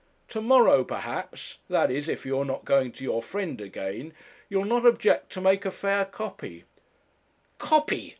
To morrow, perhaps, that is, if you are not going to your friend again, you'll not object to make a fair copy ' 'Copy!'